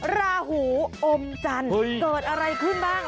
ราหูอมจันทร์เกิดอะไรขึ้นบ้าง